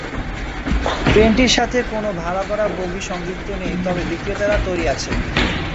ট্রেনটির সাথে কোন ভাড়া করা বগি সংযুক্ত নেই তবে বিক্রেতারা তৈরী আছে।